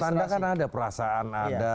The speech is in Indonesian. tanda tanda kan ada perasaan ada